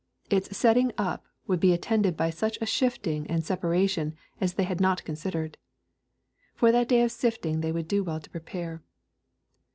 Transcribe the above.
Its setting ^p would be attended by such a sifting and separation as they had not considered. For that day of sifting they would do well to prepare.